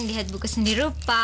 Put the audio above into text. lihat buku sendirupa